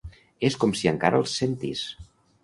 És com si encara els sentís.